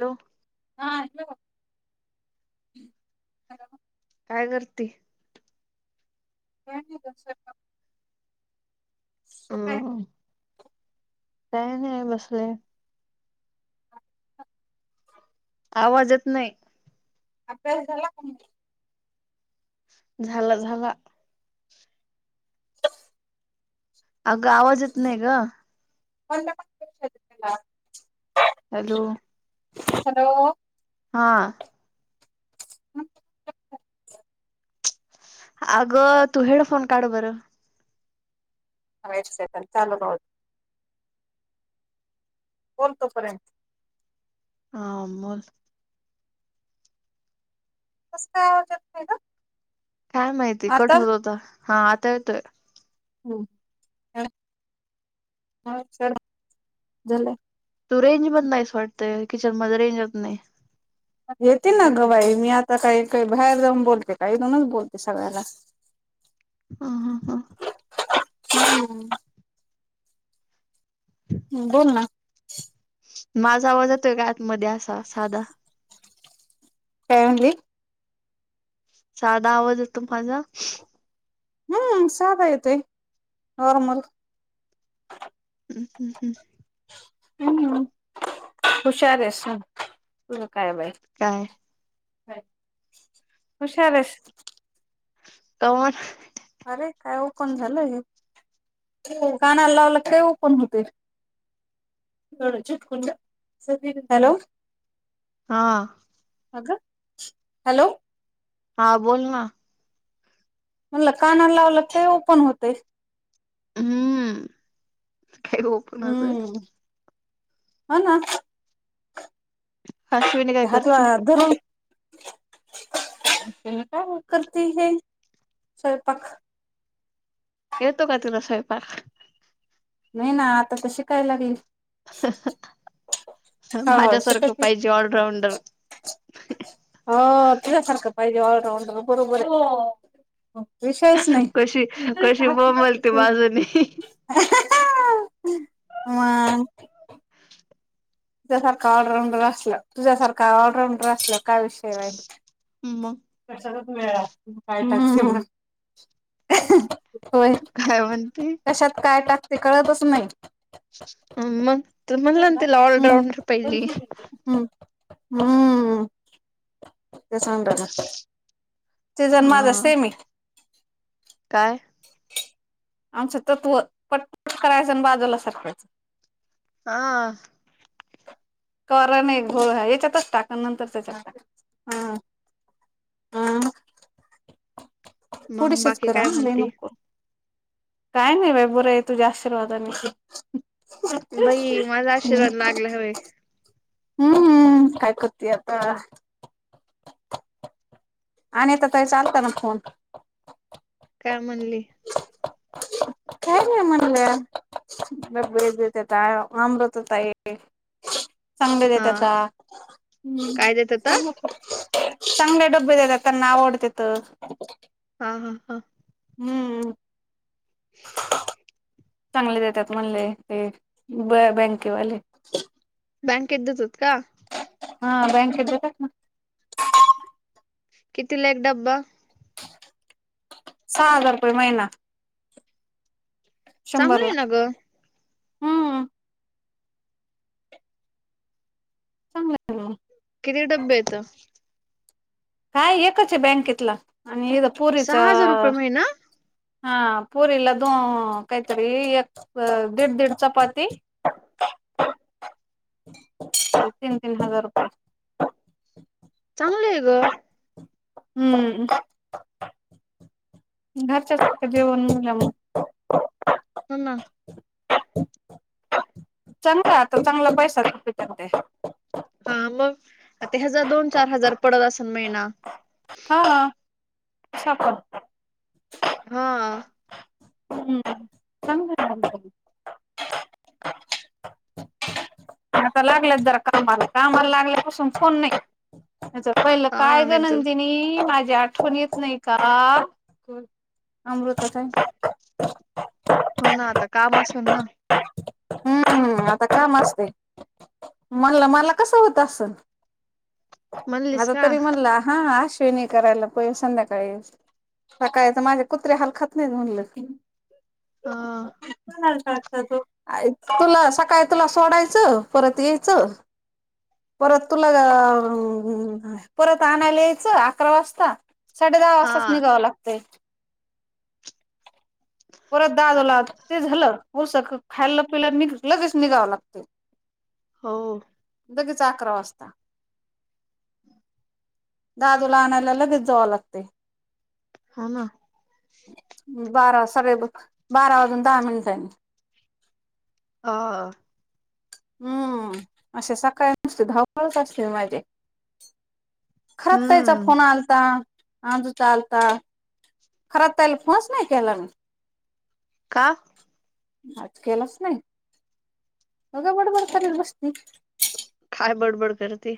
Hello हा काय करते काही नाही ग स्वयंपाक सोप हाय हम्म काय नाही बसले आवाज येत नाही अभ्यास झाला का झालं झालं अगं आवाज येत नाही ग कोणत्या पक्षला हॅलो हॅलो हा हम् आग तू हेड फोन काढ बर ह चालू बोलतो पर्यंत हा मग कस काय आवाज येत नाही ग काय माहिती कट आता होत होता हा आता येतोय. ह काय [unintelligible] झालंयं. तू रेंज मधी नाहीस वाटत किचन मध्ये रेंजच नाही. येते ना ग बाई मी आता कायं कायं बाहेर जाऊन बोलते का इथूनच बोलते सगळ्याला हा हा हा हम्म हूं बोल ना माझा आवाज येतोय का आतमध्ये असा साधा काय म्हणली साधा आवाज येतो माझा हम्म साधा येतोय नॉर्मल हम्म हम्म हम्म हम्म हुशार आहेस हो तुझ काय बाय काय व्हय हुशार येस तूं कमून अरे काय ओपन झालं हे हो कानाला लावला काय ओपन होतयं. तेवढं चिटंकुण द्या [unintelligible] हॅलो हा अग हॅलो हा बोल ना म्हणलं कानाला लावला काय ओपन होतेय. हम्म काय ओप हम्म हो ना अश्विनी काय ते हात वा करते धरून तुम्ही काय करते हे स्वयंपाक येतो का तुला स्वयंपाक नायं ना आता त शिकाय लागली. हो माझ्यासारखं शिकत पाहिजे ऑलराऊंडर हो तुझ्यासारखं पाहिजेल ऑलराऊंड बरोबरये विषयच नाही कशी कशी बोंबलते बाजूने मंग तुझ्यासारखं ऑलराऊंडर असल तुझ्यासारखं ऑलराऊंडर असल काय विषय राहील. म कशाचाच मेळ ना तु काय टाकशील म्हणून होय काय म्हणते कशात काय टाकते कळतच नाही. मग म्हणल ना तुला ऑलराऊंडर पाहिजे. मंग हम्म ते सग [unintelligible] तीजा ना माझा हा सेम ये. काय? आमचं तत्व पटपट करायचं आणि बाजूला सरकवायच. हा कारण एक घोळ हाय याच्यातच टाका न नंतर त्याच्यात टाका ह ह [inaudible] मग थोडीशीच बाकी काय करा ह लयं म्हणते नको करू काय नाही बाई, बरय तूझ्या आशीर्वादानी. बाई, माझा आशीर्वाद लागला व्हय हम्म काय करती आता आणिता ताईचा आलत ना फोन काय म्हणली? काय नाही म्हणल्या बे बत, आमृता ताई चांगले हा देतात का? काय देत होता चांगले डबे देतात त्यांना आवडतेेत. हा हा हा हम्म चांगले देतात म्हणले, ते ब बँकेवाले बँकेत देतात का? हा बँकेत देतात ना कितीला एक डब्बा? सहा हजार रुपये महिना. चांगलं शंभरला आहे ना ग हम्म चांगलय मग किती डब्बे येत? काय एकच आहे बँकेतला आणि एका पुरीचा सहा हजार रुपये आ महिना हा पूरीला दो कायतरी एक ब दीड - दीड चपाती तीन तीन हजार रुपये. चांगले आहे ग हम्म घरच्या सारखं जेवण म्हनल्यावर मग हो ना चांगला आहे, आता चांगला पैसा ते [inaudible] हा मग आता ह्याजा दोन -चार हजार पडत असेल महिना. हा शपल हा हम्म चांगल चालाय आता लागल्यात जरा कामाला, कामाला लागल्यापासून फोन नाही. ह्याच्या पहिलं, हा काय ग नाही तर नंदिनी माझी आ ठवण येत नाही का? अमृता ताई हो ना, आता काम असेल ना? हम्म, आता काम असतय. म्हणलं मला कसं होत असंल? म्हणलीस आता का तरी म्हणला, हा अश्विनी करायला पायजे संध्याकाळी सकाळी तर माझे कुत्रे हाल खात नाहीत म्हणलं क हा तुला सकाळी तुला सोडायचं, परत यायचं. परत तुला आ. हम्म परत आणायला यायचं अकरा वाजता साडे दहा हा वाजताच निघावं लागतंय. परत दादला ते झालं पोसक खायला पिय निघ लगेच निघावं लागत. हो. लगेच अकरा वाजता. दादूला आणायला लगेच जावं लागते. हा ना. बारा स बारा वाजून दहा मिनिटांनी. हा. हम्म अशी सकाळी नसती धावपळच असते माझी. खरात ताई चा त्याचा हम्म फोन आलता आजूचा आलता. खरात ताईला फोनच केला नाही मी. का. आच केलाच नाही उग बडबड करत बस्ती. काय बडबड करती.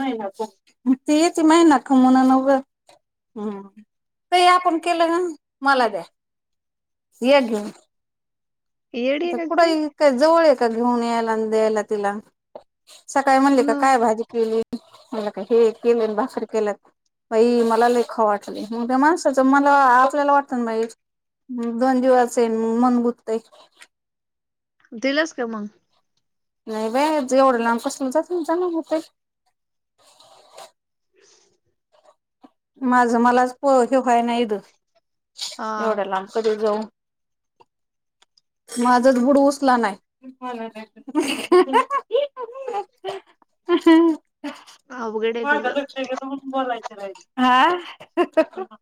महि ती त महिना खमून नव्व हम्. [unintelligible] ते आपण केलं ना मला द्या. ये घेऊन. येडी आहे आता का कुठं काय जवळ आहे का घेऊन यायला द्यायला तिला. सकाळी म्हणली हो का ना काय भाजी केली म्हला का हे केलं भाकरी केल. बाई मला लई खाऊ वाटलय मग ते माणसच मला आपल्याला वाटतं ना बाई. दोन दिवस येण मन गुत्तय. दिलास का मग. नाही बाई जे रे लां कसंलंजातं म्ह जा होते. [unintelligible] माझं मला च हेे होईना इथं हा एवढ्या लांब. क जाऊन माझ बुड उसला नाही. ह. अवघड आहे तुझं क्ष बोलायचं हा.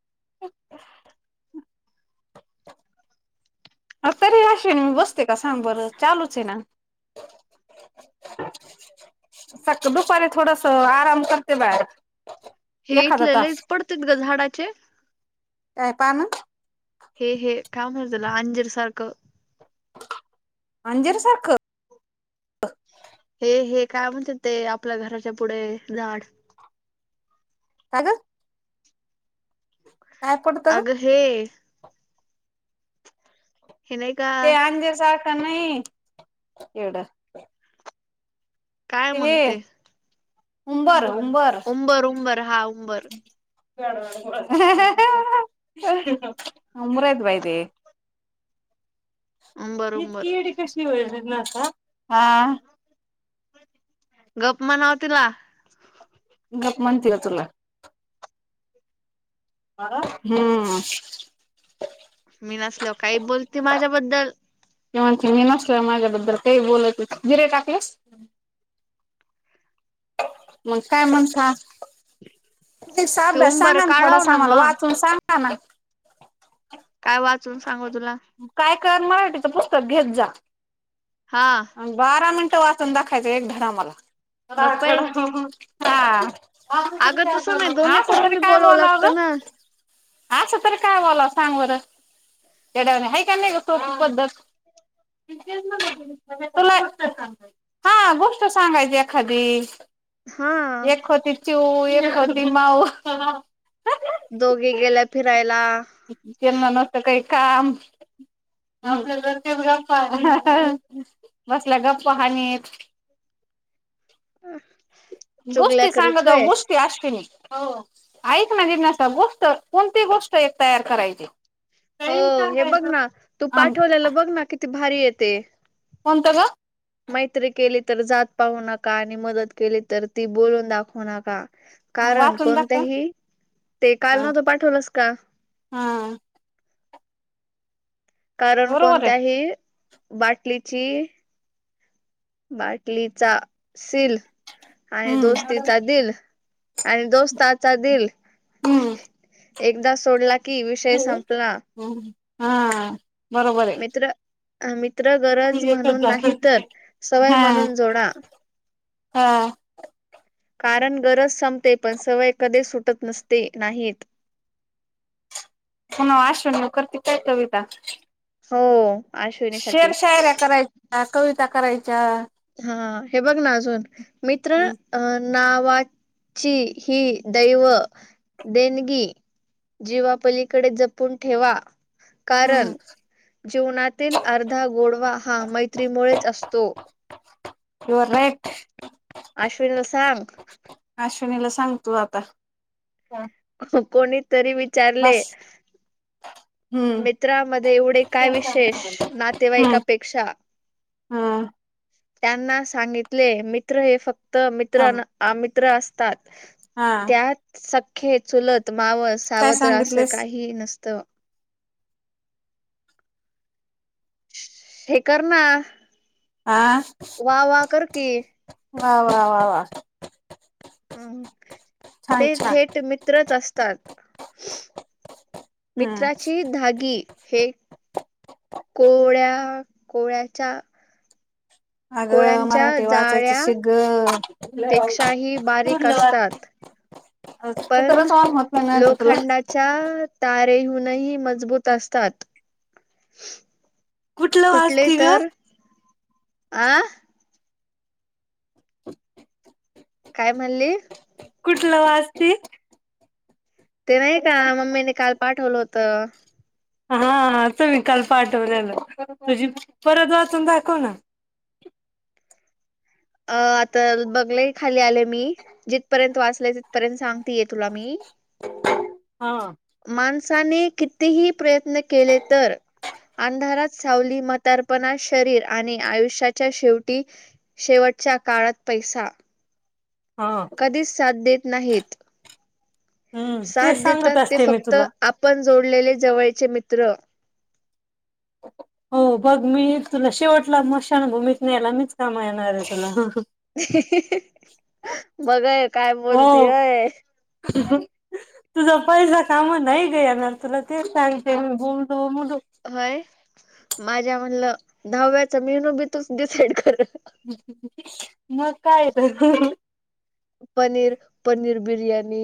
अ तरी असशन मी बसते का सांबर चालूच आहे ना. [unintelligible] सका दुपारी थोडस आराम करते बया. हे इथले लईच पडतेत ग झाडाचे. काय पान. हे हे का म्हणतो त्याला अंजर सारखं. अंजीर सारख. हे हे काय म्हणते ते आपल्या घराच्या पुढे झाड. अगं. काय पडतं ग. अगं हे. हेने. ते अंजेर सारखा नाही येड. काय ते मग हे उंबर उंबर. उंबर उंबर हा उंबर. अंबर आहेत बाई ते. उंबर ह उंबर कीड कशी वली नाता गप्मा नवला गप् मनत तुला हम्म मी नसल काही बोलते माझ्याबद्दल तनच मी नसला मगर ब रेटक्कलेस मग काय म्हणता ते साब्या उंबर सांगा काढाव थोडासा ना आम्हाला मग वाचून सांग हा म काय वाचून सांगू तुला काय करण मराठीचं पुस्तक घेत जा हा बारा मिनटं वाचून दाखायचं एक धड मला हा गप्प आहे आम क अगं काय तसं नाही बोलला हा दोन्हीकडून स बी काय बोलावं बोलावगं लागतं ना असं तर काय वाला सांग बरं चड्यावने आहे का नाहीोख पद्धत तुलाांग हा गोष्ट सांगायची एखादी हा एकखोती चिव एक होती माऊ दोघे गेल्या फिरायला केना नसतं काही काम आपल्या ज ते गप्पा बसल्या गप्पा हाानत अ गुष्टी संांगद गुष्टी अश्विनीिक ऐक ना जिज्ञसा गोष्ट कोणती गोष्ट एक तयार करायची हो काही हे बघ सांगायचं ना तू आम पाठवल्याला बघ ना किती भारी येते कोणत का मैत्री केली तर जात पाहू नका आणि मदत केली तर ती बोलून दाखवू नका कारण वाचून दाखव कोणत्याही ते काल नव्हतं पाठवलंस का हम्म कारण बरोबर आहे कोणत्याही बाटलीची बाटलीचा सील आणि हम्म दोस्तीचा दिल आणि दोस्ताचा दिल हम्म एकदा सोडला की विषय संपला ह हा बरोबर आहे मित्र मित्र गरज म्हणून नाही तर सवय हा म्हणून जोडा हा कारण गरज संपते पण सवय कधी सुटत नसते नाहीत हो [unintelligible] न करती काय कविता हो अश्विनीसाठी शेरशायऱ्या करायच्या कविता करायच्या हा हे बघ ना अजून मित्र हम्म अ नावाची हि दैव देणगी जीवापलीकडे जपून ठेवा कारण हम्म जीवनातील अर्धा गोडवा हा मैत्रीमुळेच असतो युअर राईट अश्विनीला सांग. अश्विनीला सांगतो आता. अस कोणी तरी विचारले. बस हम्म मित्रामध्ये एवढे काय विशेष हम्म नातेवाईकापेक्षा. हा त्यांना सांगितले मित्र हे फक्त मित्र थांब अमित्र असतात. हा त्यात सख्खे चुलत मावस काय सावत्र असं सांगितलेस काही नसतं. हे कर ना. आह? वा वा करकी. वा वा वा वा! छान ते छान थेट मित्रच असतात. हम्म मित्राची धागी हे कोळ्या कोळ्याच्या अगं कोळ्यांच्या मराठी वाचायचं शिक गं. जाळ्यापेक्षाही बारीक असतात पण नाही ना तुला लोखंडाच्या तारेहुंनही मजबूत असतात. कुठलं तुटले वाचती ग तर अ? काय म्हणली? कुठलं वाचती? ते नाही का मम्मीने काल पाठवलं होत. हा तुम्ही काल पाठवल्याल. तुझी परत वाचून दाखव ना. अ आता बघलेय खाली आले मी. जिथपर्यंत वाचलेय तिथपर्यंत सांग. तिये तुला मी. हा माणसाने कितीही प्रयत्न केले तर अंधारात सावली म्हातारपणात शरीर आणि आयुष्याच्या शेवटी शेवटच्या काळात पैसा. हा कधीच साथ देत नाहीत. हम्म साथ तेच सांगत देतात ते असते मी फक्त तुला आपण जोडलेले जवळचे मित्र. हो बघ. मी तुला शेवटला मशान भूमीत न्यायला मीच काम येणार आहे तुला. बघय काय बोलतीय. ह तुझा पैसा काम नाही ग येणार तुला. ते सांगते गोलूमोलू व्हय. माझ्या म्हणलं दहाव्याच्या मेनू बी तूच डिसाईड कर. मग काय येत? पनीर पनीर बिर्याणी